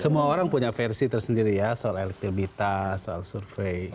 semua orang punya versi tersendiri ya soal elektabilitas soal survei